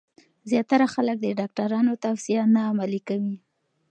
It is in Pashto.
زیاتره خلک د ډاکټرانو توصیه عملي نه کوي.